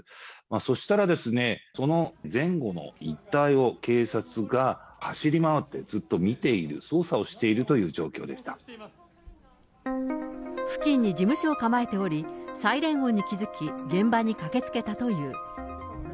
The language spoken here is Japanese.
そしたらですね、その前後の一帯を、警察が走り回って、ずっと見ている、付近に事務所を構えており、サイレン音に気付き、現場に駆けつけたという。